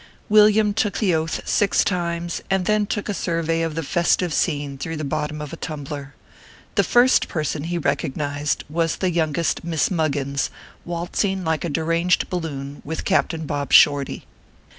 Villiam took the Oath six times, and then took a survey of the festive scene through the bottom of a tumbler. The first person he recognized was the youngest Miss Muggins, waltzing like a deranged bal loon with Captain Bob Shorty.